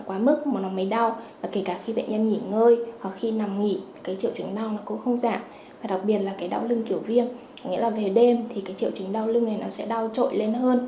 các triệu chứng đau không giảm đặc biệt là đau lưng kiểu viêm nghĩa là về đêm thì triệu chứng đau lưng sẽ đau trội lên hơn